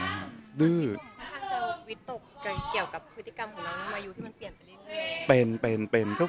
ถ้าทักจะวิตกเกี่ยวกับพฤษกรรมของน้องมายุเปลี่ยนไปเร็ว